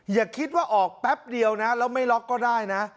อย่าคิดว่าออกแป๊บเดียวนะแล้วไม่ล็อกก็ได้นะ